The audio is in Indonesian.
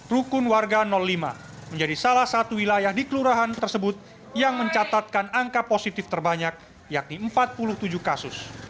rukun warga lima menjadi salah satu wilayah di kelurahan tersebut yang mencatatkan angka positif terbanyak yakni empat puluh tujuh kasus